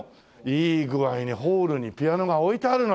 いい具合にホールにピアノが置いてあるのよ。